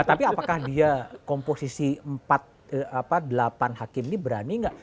tapi apakah dia komposisi delapan hakim ini berani nggak